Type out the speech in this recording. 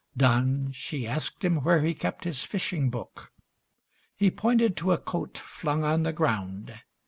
Done, She asked him where he kept his fishing book. He pointed to a coat flung on the ground.